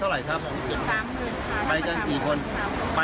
แล้วแม่ก็ตกลงวนเงินไป